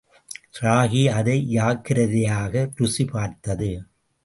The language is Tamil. ராகி அதை ஜாக்கிரதையாக ருசி பார்த்தது.